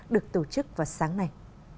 được tổ chức vào sáng nay